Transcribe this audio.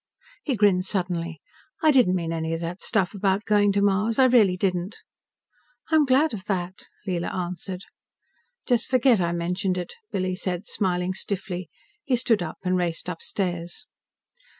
He grinned suddenly. "I didn't mean any of that stuff about going to Mars. I really didn't." "I'm glad of that," Leela answered. "Just forget I mentioned it," Billy said, smiling stiffly. He stood up and raced upstairs.